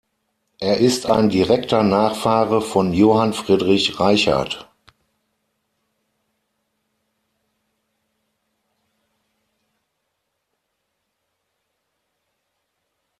Er ist ein direkter Nachfahre von Johann Friedrich Reichardt.